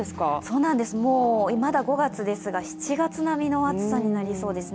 そうなんです、もうまだ５月ですが７月並みの暑さになりそうですね。